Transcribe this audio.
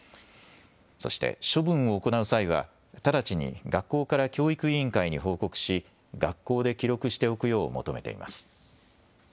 そして処分を行う際は直ちに学校から教育委員会に報告し学校で記録しておくよう求めています。